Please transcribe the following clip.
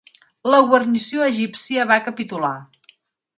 La guarnició egípcia va capitular.